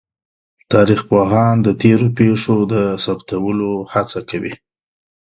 تاريخ پوهان د تېرو پېښو د ثبتولو هڅه کوي.